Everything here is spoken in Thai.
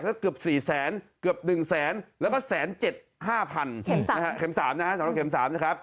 ก็เกือบ๔๐๐๐๐๐เกือบ๑๐๐๐๐๐แล้วก็๑๗๕๐๐๐เข็ม๓นะฮะ